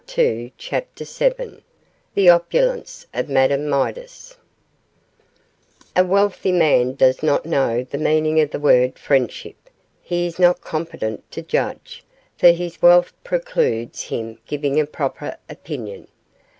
CHAPTER VII THE OPULENCE OF MADAME MIDAS A wealthy man does not know the meaning of the word friendship. He is not competent to judge, for his wealth precludes him giving a proper opinion.